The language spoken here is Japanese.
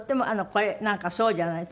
これなんかそうじゃない？